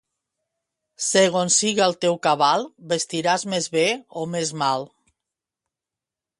Segons siga el teu cabal, vestiràs més bé o més mal.